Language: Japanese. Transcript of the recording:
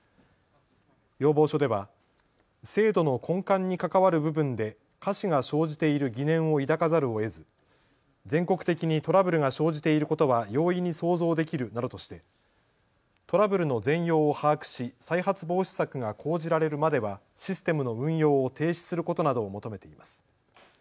要望書では制度の根幹に関わる部分でかしが生じている疑念を抱かざるをえず全国的にトラブルが生じていることは容易に想像できるなどとしてトラブルの全容を把握し再発防止策が講じられるまではシステムの運用を停止することなどを求めています。